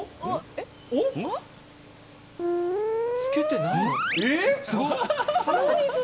つけてない？